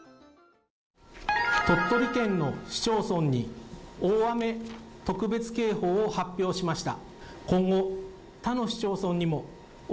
鳥取県の市町村に大雨特別警報を発表しました。